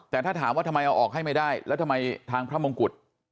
แต่ถ้าถามว่าทำไมเอาออกให้ไม่ได้แล้วทำไมทางพระมงกุฎ